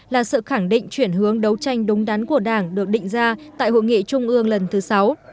là sự khẳng định chuyển hướng đấu tranh đúng đắn của đảng được định ra tại hội nghị trung ương lần thứ sáu